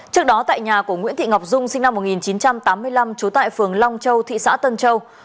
trước đó tại nhà của nguyễn thị ngọc dung sinh năm một nghìn chín trăm tám mươi năm trú tại phường long châu thị xã tân châu